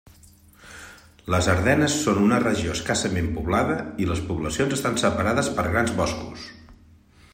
Les Ardenes són una regió escassament poblada i les poblacions estan separades per grans boscos.